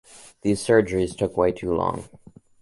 These surgeries took way too long.